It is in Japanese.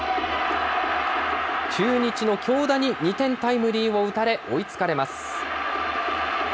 中日の京田に２点タイムリーを打たれ、追いつかれます。